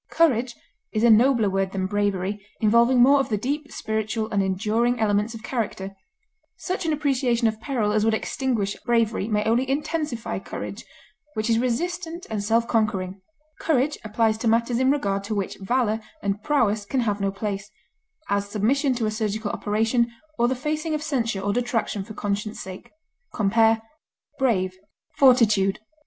Courage is a nobler word than bravery, involving more of the deep, spiritual, and enduring elements of character; such an appreciation of peril as would extinguish bravery may only intensify courage, which is resistant and self conquering; courage applies to matters in regard to which valor and prowess can have no place, as submission to a surgical operation, or the facing of censure or detraction for conscience' sake. Compare BRAVE; FORTITUDE.